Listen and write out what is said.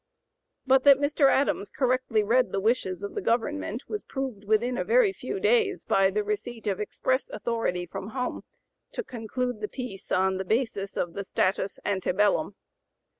But that Mr. Adams correctly read the wishes of the government was proved within a very few days by the receipt of express authority from home "to conclude the peace on the basis of the status ante bellum."